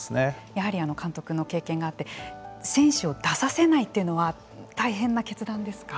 やはり監督の経験があって選手を出させないというのは大変な決断ですか。